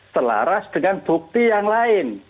selaras dengan bukti yang lain